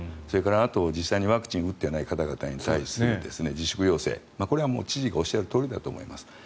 それから、実際にワクチンを打ってない方々に対する自粛要請、これは知事がおっしゃるとおりだと思います。